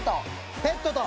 ペットと。